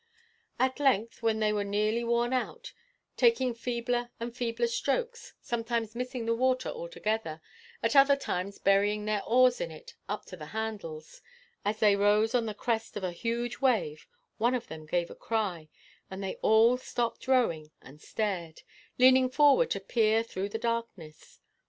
"At length, when they were nearly worn out, taking feebler and feebler strokes, sometimes missing the water altogether, at other times burying their oars in it up to the handles as they rose on the crest of a huge wave, one of them gave a cry, and they all stopped rowing and stared, leaning forward to peer through the darkness.